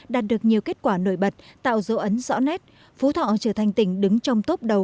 đạt được nhiều kết quả nổi bật tạo dấu ấn rõ nét phú thọ trở thành tỉnh đứng trong tốp đầu